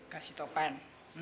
ke si topan